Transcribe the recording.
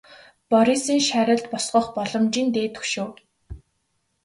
Борисын шарилд босгох боломжийн дээд хөшөө.